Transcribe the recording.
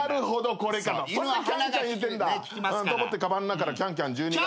これかと。と思ってかばんの中から『ＣａｎＣａｍ』１２月号。